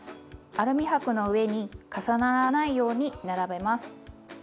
アルミ箔の上に重ならないように並べます。